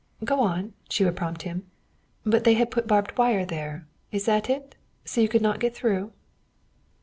"Go on," she would prompt him. "But they had put barbed wire there. Is that it? So you could not get through?"